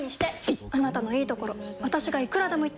いっあなたのいいところ私がいくらでも言ってあげる！